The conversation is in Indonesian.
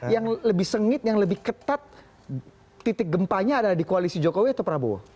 yang lebih sengit yang lebih ketat titik gempanya ada di koalisi jokowi atau prabowo